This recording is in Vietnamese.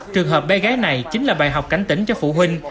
trường hợp bé gái này chính là bài học cảnh tỉnh cho phụ huynh